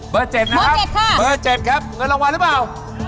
เบอร์๗ครับเงินรางวัลหรือเปล่า